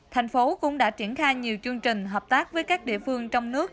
thành phố cũng đã triển khai nhiều chương trình hợp tác với các địa phương trong nước